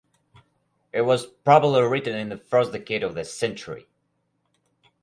It was probably written in the first decade of the century.